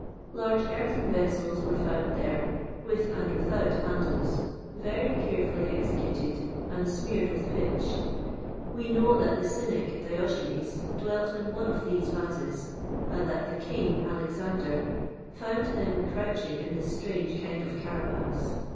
[XXVIII 70] Large earthen vessels were found there, with and without handles, very carefully executed, and smeared with pitch.[XXVIII 71] We know that the cynic, Diogenes, dwelt in one of these vases; and that the king, Alexander, found him crouching in his strange kind of carapace.